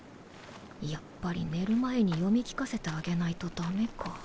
やっぱり寝る前に読み聞かせてあげないとダメか。